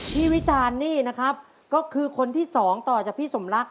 วิจารณ์นี่นะครับก็คือคนที่สองต่อจากพี่สมรัก